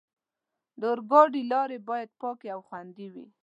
د اورګاډي لارې باید پاکې او خوندي وي.